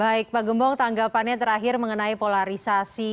baik pak gembong tanggapannya terakhir mengenai polarisasi